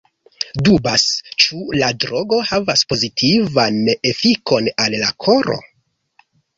Dubas, ĉu la drogo havas pozitivan efikon al la koro.